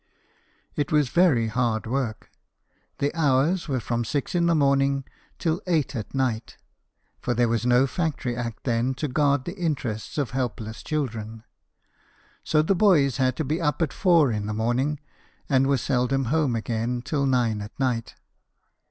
It was very hard work ; the hours were from six in the morning till eight at night, for there was no Factory Act then to guard the interest of helpless children ; so the boys had to be up at four in the morning, and were seldom home again till nine at night.